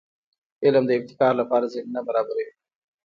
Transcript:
علم د ابتکار لپاره زمینه برابروي.